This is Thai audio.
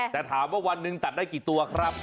แต่ถามว่าวันหนึ่งตัดได้กี่ตัวครับ